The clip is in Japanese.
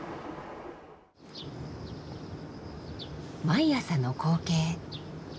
毎朝の光景。